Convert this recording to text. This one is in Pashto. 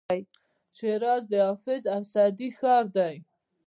شیراز د حافظ او سعدي ښار دی.